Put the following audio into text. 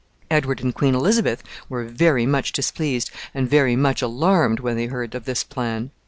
Edward and Queen Elizabeth were very much displeased and very much alarmed when they heard of this plan.